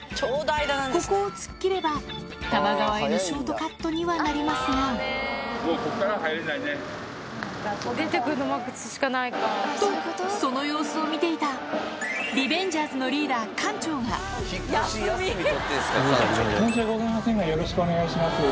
ここを突っ切れば多摩川へのショートカットにはなりますがとその様子を見ていた申し訳ございませんがよろしくお願いします。